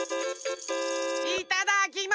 いただきま。